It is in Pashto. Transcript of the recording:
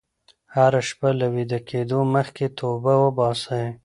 هره شپه له ویده کېدو مخکې توبه وباسئ.